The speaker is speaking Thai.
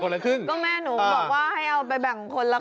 ก็ครึ่งซ้ายกับขวา